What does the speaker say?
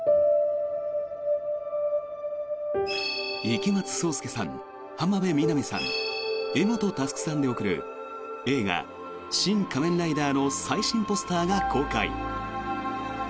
池松壮亮さん、浜辺美波さん柄本佑さんで送る映画「シン・仮面ライダー」の最新ポスターが公開！